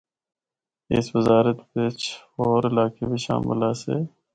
اس وزارت بچ ہور علاقے بھی شامل آسے۔